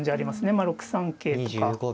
まあ６三桂とか。